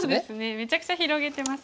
めちゃくちゃ広げてますね。